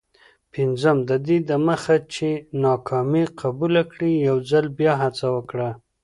پنځم: ددې دمخه چي ناکامي قبوله کړې، یوځل بیا هڅه وکړه.